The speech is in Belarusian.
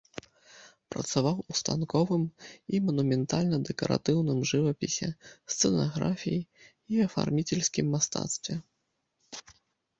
Працаваў у станковым і манументальна-дэкаратыўным жывапісе, сцэнаграфіі і афарміцельскім мастацтве.